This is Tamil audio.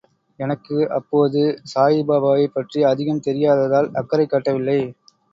எனக்கு அப்போது சாயிபாபாவைப் பற்றி அதிகம் தெரியாததால் அக்கறை காட்டவில்லை.